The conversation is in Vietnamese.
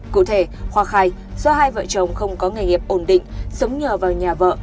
cụ thể khoa khai do hai vợ chồng không có nghề nghiệp ổn định sống nhờ vào nhà vợ